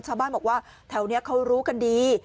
ชาวบ้านบอกว่าแถวนี้เขารู้กันดี